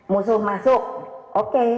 musuh masuk oke